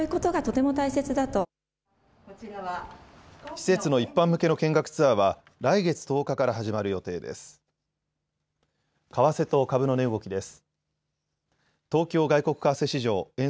施設の一般向けの見学ツアーは、来月１０日から始まる予定です。